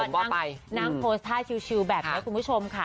ว่าไปนั่งโพสต์ท่าชิวแบบนี้คุณผู้ชมค่ะ